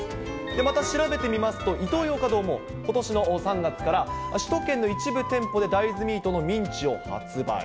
また調べてみますと、イトーヨーカドーもことしの３月から首都圏の一部店舗で大豆ミートのミンチを発売。